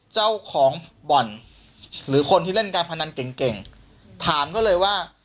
เจ้าของบ่อนหรือคนที่เล่นการพนันเก่งเก่งถามเขาเลยว่า